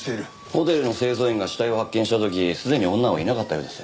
ホテルの清掃員が死体を発見した時すでに女はいなかったようです。